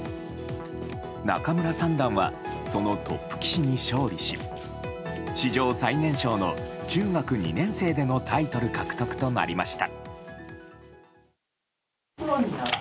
仲邑三段はそのトップ棋士に勝利し史上最年少の中学２年生でのタイトル獲得となりました。